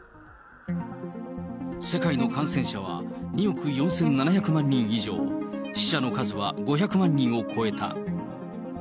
世界の感染者は２億４７００万人以上、死者の数は５００万人を超えた。